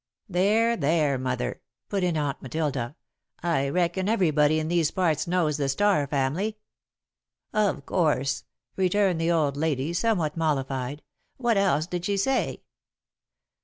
"There, there, Mother," put in Aunt Matilda. "I reckon everybody in these parts knows the Starr family." "Of course," returned the old lady, somewhat mollified. "What else did she say?"